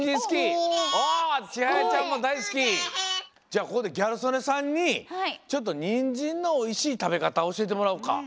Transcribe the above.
じゃあここでギャル曽根さんにちょっとニンジンのおいしいたべかたおしえてもらおっか。